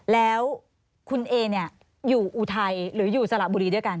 แล้วคุณเออยู่อุทัยหรืออยู่สระบุรีด้วยกัน